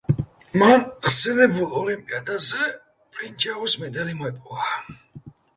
მან ხსენებულ ოლიმპიადაზე ბრინჯაოს მედალი მოიპოვა.